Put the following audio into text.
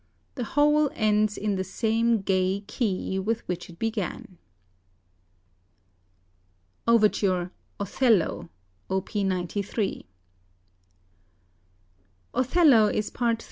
The whole ends in the same gay ... key with which it began." OVERTURE, "OTHELLO": Op. 93 "Othello" is Part III.